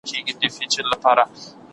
هغه مجسمه په کڅوړه کې ايښودل شوې وه.